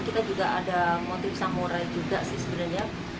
kita juga ada motif samurai juga sih sebenarnya